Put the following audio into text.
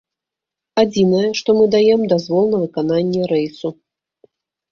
Адзінае, што мы даем дазвол на выкананне рэйсу.